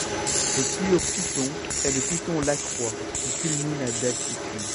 Le plus haut piton est le piton Lacroix qui culmine à d'altitude.